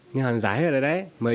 nhân hàng giả hết rồi đấy